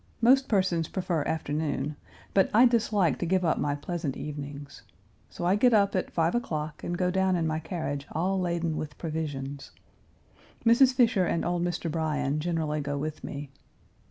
Most persons prefer afternoon, but I dislike to give up my pleasant evenings. So I get up at five o'clock and go down in my carriage all laden with provisions. Mrs. Fisher and old Mr. Bryan generally go with me.